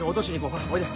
ほらおいで。